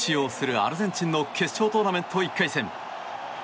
アルゼンチンの決勝トーナメント１回戦。